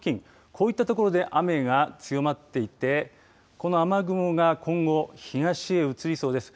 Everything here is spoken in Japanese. こういった所で雨が強まっていてこの雨雲が今後東へ移りそうです。